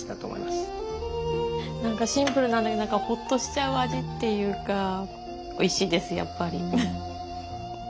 何かシンプルなんだけどホッとしちゃう味っていうかおいしいですやっぱり。